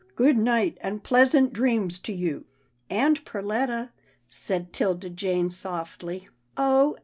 Good night, and pleasant dreams to you." ."And Perletta," said 'Tilda Jane, softly, "oh!